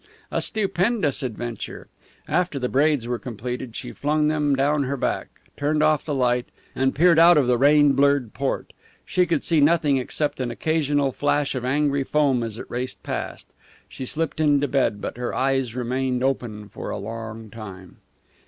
A stupendous adventure! After the braids were completed she flung them down her back, turned off the light, and peered out of the rain blurred port. She could see nothing except an occasional flash of angry foam as it raced past. She slipped into bed, but her eyes remained open for a long time.